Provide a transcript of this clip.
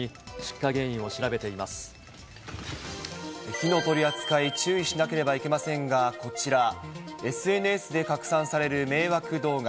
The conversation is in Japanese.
火の取り扱いに注意しなければいけませんが、こちら、ＳＮＳで拡散される迷惑動画。